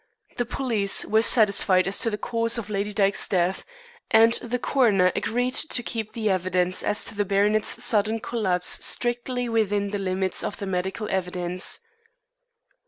The police were satisfied as to the cause of Lady Dyke's death, and the coroner agreed to keep the evidence as to the baronet's sudden collapse strictly within the limits of the medical evidence.